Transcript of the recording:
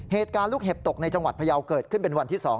เหตุการณ์ลูกเห็บตกในจังหวัดพยาวเกิดขึ้นเป็นวันที่๒